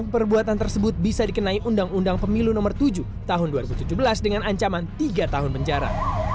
perbuatan tersebut bisa dikenai undang undang pemilu nomor tujuh tahun dua ribu tujuh belas dengan ancaman tiga tahun penjara